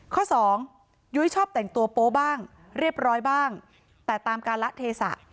ข้อสองยุ้ยชอบแต่งตัวโป๊บ้างเรียบร้อยบ้างแต่ตามการละเทศะ